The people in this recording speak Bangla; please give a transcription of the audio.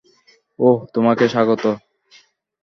ওহ, তোমাকে স্বাগত।